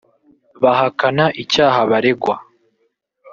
bahakana icyaha baregwa